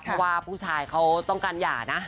เพราะว่าผู้ชายเขาต้องการหย่านะ